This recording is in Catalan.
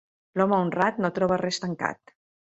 L'home honrat no troba res tancat.